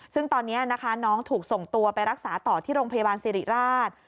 ซึ่งตอนนี้นะคะน้องถูกส่งตัวไปรักษาต่อที่โรงพยาบาลสิริราช